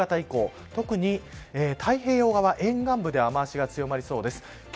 今日の夕方以降、特に太平洋側沿岸部で雨脚が強まりそうです。